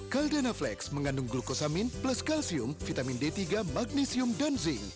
caldana flex mengandung glukosamin plus kalsium vitamin d tiga magnesium dan zinc